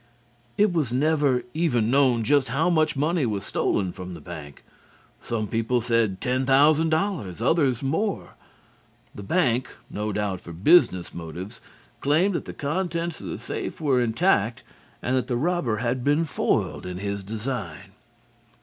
It was never even known just how much money was stolen from the bank. Some people said ten thousand dollars, others more. The bank, no doubt for business motives, claimed that the contents of the safe were intact and that the robber had been foiled in his design.